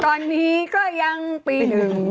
ก่อนนี้ก็ยังปีหนึ่ง